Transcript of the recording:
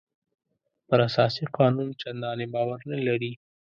پر اساسي قانون چندانې باور نه لري.